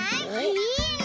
いいね！